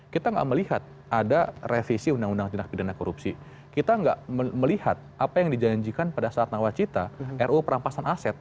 kita nggak melihat ada revisi undang undang tindak pidana korupsi kita nggak melihat apa yang dijanjikan pada saat nawacita ru perampasan aset